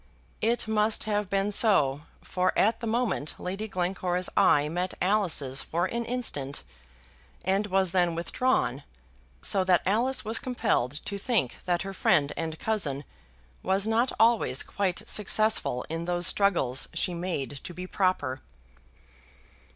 It must have been so, for at the moment Lady Glencora's eye met Alice's for an instant, and was then withdrawn, so that Alice was compelled to think that her friend and cousin was not always quite successful in those struggles she made to be proper.